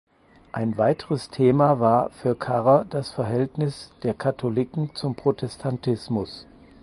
Ein weiteres Thema war für Karrer das Verhältnis der Katholiken zum Protestantismus.